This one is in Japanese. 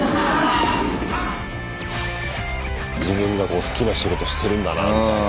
自分が好きな仕事してるんだなみたいな。